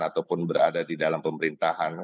ataupun berada di dalam pemerintahan